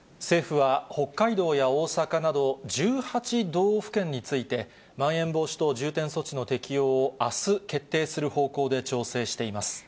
政府は、北海道や大阪など１８道府県について、まん延防止等重点措置の適用をあす、決定する方向で調整しています。